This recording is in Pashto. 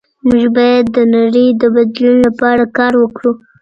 موږ باید د نړۍ د بدلون لپاره کار وکړو.